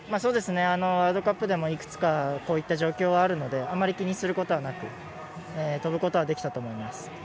ワールドカップでもいくつかこういった状況はあるのであまり気にすることはなく飛ぶことはできたと思います。